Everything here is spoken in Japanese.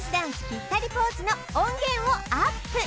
ぴったりポーズの音源をアップ